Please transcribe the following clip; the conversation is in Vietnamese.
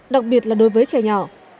đặc biệt là đối với trẻ nhỏ